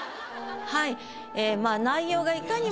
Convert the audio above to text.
はい。